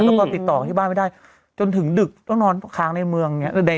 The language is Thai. แล้วก็ติดต่อที่บ้านไม่ได้จนถึงดึกต้องนอนค้างในเมืองเนี่ย